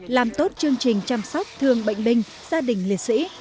làm tốt chương trình chăm sóc thương bệnh binh gia đình liệt sĩ